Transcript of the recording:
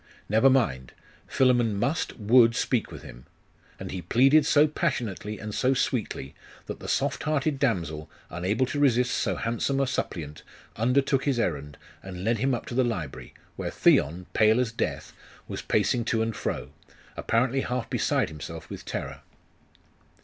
Never mind. Philammon must, would speak with him. And he pleaded so passionately and so sweetly, that the soft hearted damsel, unable to resist so handsome a suppliant, undertook his errand, and led him up to the library, where Theon, pale as death, was pacing to and fro, apparently half beside himself with terror.